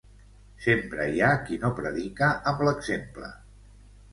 Sempre hi ha qui no predica amb l'exemple.